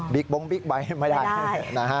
บิ๊กบ้งบิ๊กไบท์ไม่ได้